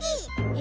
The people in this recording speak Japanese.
え